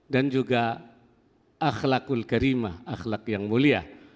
dan juga akhlakul karimah akhlak yang mulia